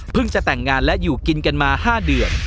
จะแต่งงานและอยู่กินกันมา๕เดือน